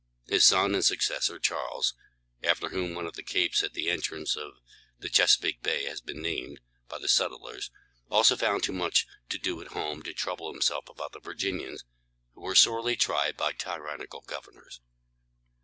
His son and successor, Charles, after whom one of the capes at the entrance of Chesapeake Bay had been named by the first settlers, also found too much to do at home to trouble himself about the Virginians, who were sorely tried by tyrannical governors.